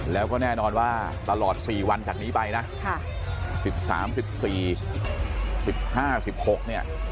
แล้วก็แน่นอนว่าตลอด๔วันจากนี้ไปนะ๑๓๑๔๑๕๑๖เนี่ย